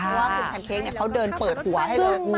เพราะว่าคุณแพนเค้กเขาเดินเปิดหัวให้เลย